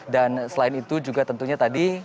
selain itu juga tentunya tadi